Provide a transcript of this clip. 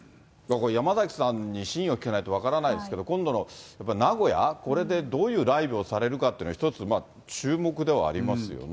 山崎さんに真意を聞かないと分からないですけど、今度の名古屋、これでどういうライブをされるかっていうのは、一つ注目ではありますよね。